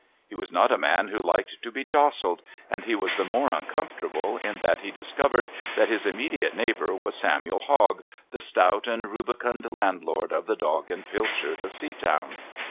He was not a man who liked to be jostled, and he was the more uncomfortable in that he discovered that his immediate neighbour was Samuel Hogg, the stout and rubicund landlord of the "Dog and Pilchard" of Seatown.